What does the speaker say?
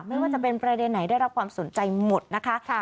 ไม่ว่าจะเป็นประเด็นไหนได้รับความสนใจหมดนะคะ